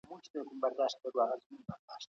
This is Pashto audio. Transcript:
ولي په هرات کي کوچني صنعتونه زیات دي؟